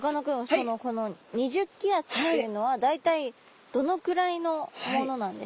そのこの２０気圧っていうのは大体どのくらいのものなんですか？